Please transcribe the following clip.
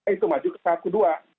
dan itu maju ke tahap kedua